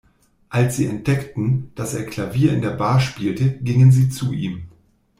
Als sie entdeckten, dass er Klavier in der Bar spielte, gingen sie zu ihm.